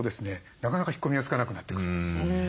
なかなか引っ込みがつかなくなってくるんです。